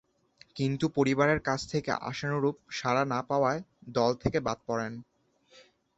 কিন্তু পরিবারের কাছ থেকে আশানুরূপ সাড়া না পাওয়ায় দল থেকে বাদ পড়েন।